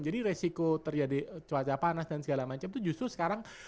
jadi resiko terjadi cuaca panas dan segala macem itu justru sekarang